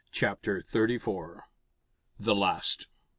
CHAPTER THIRTY FOUR. The Last.